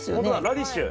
ラディッシュ。